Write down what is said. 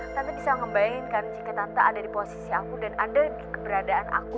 tante bisa ngebayangkan jika tante ada di posisi aku dan ada di keberadaan aku